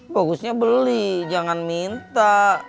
bagusnya beli jangan minta